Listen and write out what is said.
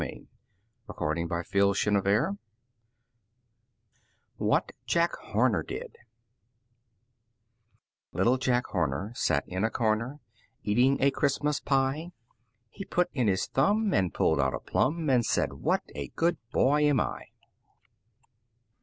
[Illustration: What Jack Horner Did] What Jack Horner Did Little Jack Horner sat in a corner, Eating a Christmas pie; He put in his thumb and pulled out a plum And said, "What a good boy am I!"